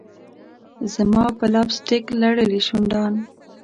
زما په لپ سټک لړلي شونډان